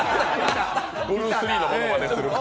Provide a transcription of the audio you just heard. ブルース・リーのものまねする子。